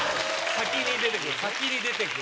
先に出てくる。